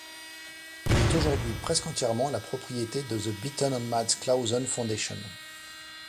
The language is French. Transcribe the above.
Il est aujourd'hui presque entièrement la propriété de The Bitten and Mads Clausen Foundation.